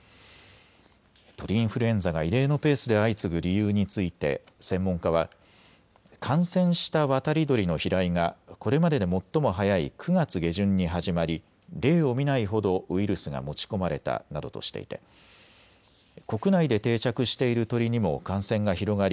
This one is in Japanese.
鳥インフルエンザが異例のペースで相次ぐ理由について専門家は感染した渡り鳥の飛来がこれまでで最も早い９月下旬に始まり、例を見ないほどウイルスが持ち込まれたなどとしていて国内で定着している鳥にも感染が広がり